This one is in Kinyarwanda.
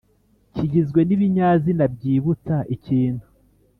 kigizwe n’ibinyazina byibutsa ikintu